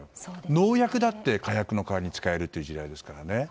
農薬だって火薬の代わりに使える時代ですからね。